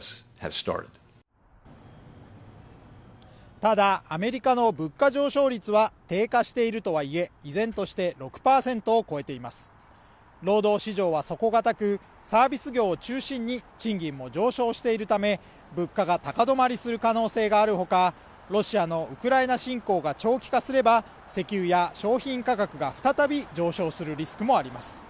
ただアメリカの物価上昇率は低下しているとはいえ依然として６％を超えています労働市場は底堅くサービス業を中心に賃金も上昇しているため物価が高止まりする可能性があるほかロシアのウクライナ侵攻が長期化すれば石油や商品価格が再び上昇するリスクもあります